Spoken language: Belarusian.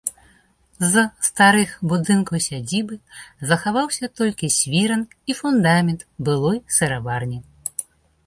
З старых будынкаў сядзібы захаваўся толькі свіран і фундамент былой сыраварні.